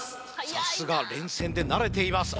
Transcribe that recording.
さすが連戦で慣れています